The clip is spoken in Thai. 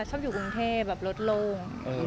ชอบอยู่กรุงเทพหลดหลง